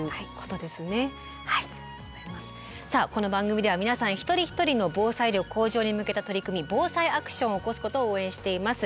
さあこの番組では皆さん一人一人の防災力向上に向けた取り組み防災アクションを起こすことを応援しています。